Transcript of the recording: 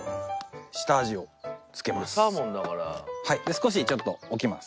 少しちょっと置きます。